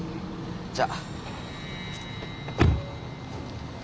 じゃ。